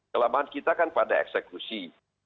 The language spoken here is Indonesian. kelemahan kita kan pada eksekusi